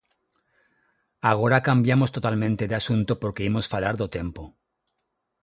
Agora cambiamos totalmente de asunto porque imos falar do tempo.